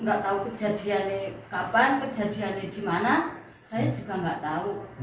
nggak tahu kejadiannya kapan kejadiannya di mana saya juga nggak tahu